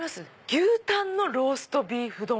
「牛たんのローストビーフ丼」。